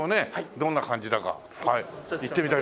どんな感じだか行ってみたいと思います。